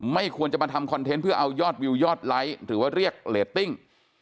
ไม่ควรจะมาทำคอนเทนต์เพื่อเอายอดวิวยอดไลค์หรือว่าเรียกเรตติ้ง